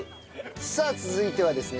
さあ続いてはですね